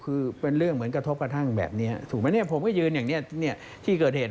ผมขอให้ท่านเป็นเรือพันธุ์ขอให้ท่านไม่มีอะไรเป็นไปเหมือนกับชีวิตผม